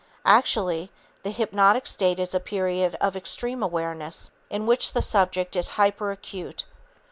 Actually, the hypnotic state is a period of extreme awareness in which the subject is hyperacute.